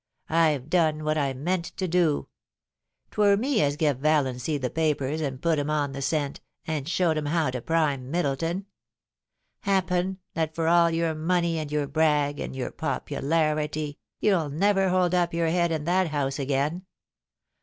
I've done what I meant to do. Twur me as gev Valiancy the papers, and put him on the scent, and showed him how to prime Middleton. Happen, that for all your money and ) our brag and your popularity, you'll never hold up your head in that House again.